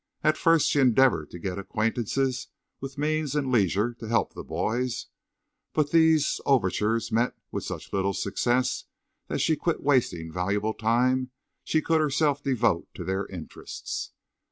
At first she endeavored to get acquaintances with means and leisure to help the boys, but these overtures met with such little success that she quit wasting valuable time she could herself devote to their interests.